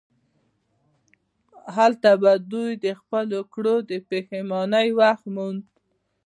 هلته به دوی د خپلو کړو د پښیمانۍ وخت موند.